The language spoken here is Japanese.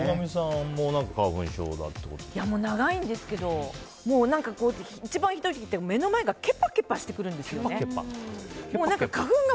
もう長いんですけど一番ひどい時は目の前がケパケパしてくるんですね。